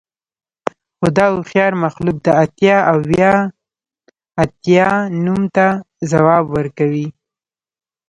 خو دا هوښیار مخلوق د اتیا اوه اتیا نوم ته ځواب ورکوي